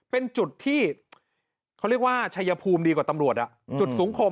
เป็นจุดที่เขาเรียกว่าชัยภูมิดีกว่าตำรวจจุดสูงคม